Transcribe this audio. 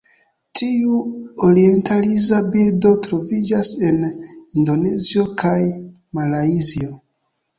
Tiu orientalisa birdo troviĝas en Indonezio kaj Malajzio.